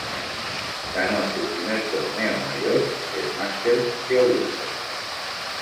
Ganó su primer torneo mayor, el Masters de Augusta.